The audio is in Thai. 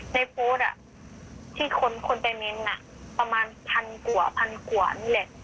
ในโพสต์ที่คนไปเม้นต์ประมาณพันกว่าพันกว่านี่แหละ